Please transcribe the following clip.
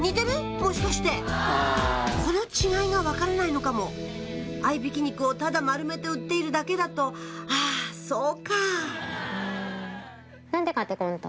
もしかしてこの違いが分からないのかも合いびき肉をただ丸めて売っているだけだとあそうか何で買って来んと？